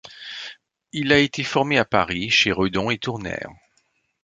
Il a été formé à Paris chez Redon et Tournaire.